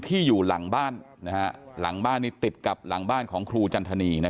ที่อยู่หลังบ้านหลังบ้านนี้ติดกับหลังบ้านของครูจันทนี